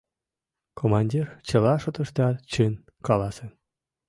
Командир чыла шотыштат чын каласен.